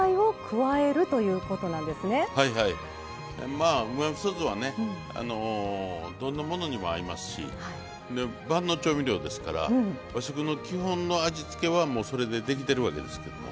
まあうまみそ酢はねどんなものにも合いますし万能調味料ですから和食の基本の味付けはもうそれでできてるわけですけども。